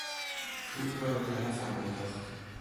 توپ را به طرفم انداخت.